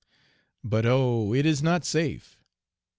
But "Oh, it is not safe."